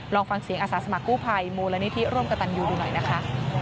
ลองฟังเสียงอาสาสมัครกู้ภัยมูลนิธิร่วมกับตันยูดูหน่อยนะคะ